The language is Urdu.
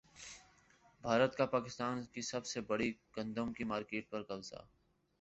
بھارت کا پاکستان کی سب سے بڑی گندم کی مارکیٹ پر قبضہ